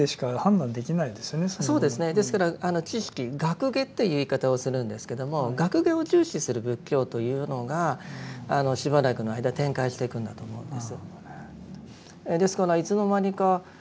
ですから知識学解という言い方をするんですけども学解を重視する仏教というのがしばらくの間展開していくんだと思うんです。